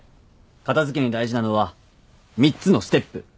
片付けに大事なのは３つのステップ。